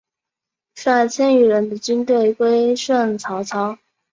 率千余人的军队归顺曹操。